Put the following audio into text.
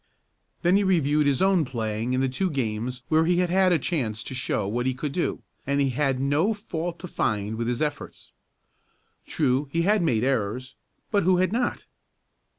Then he reviewed his own playing in the two games where he had had a chance to show what he could do, and he had no fault to find with his efforts. True, he had made errors; but who had not?